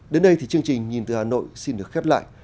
đến đây thì chương trình nhìn từ hà nội xin được khép lại